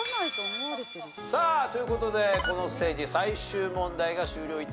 さあという事でこのステージ最終問題が終了致しました。